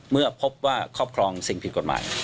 เมื่อพบว่าครอบครองสิ่งผิดกฎหมาย